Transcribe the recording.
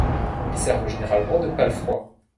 Ils servent généralement de palefrois.